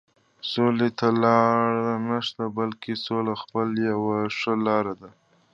سولې ته لاره نشته، بلکې سوله خپله یوه ښه لاره ده.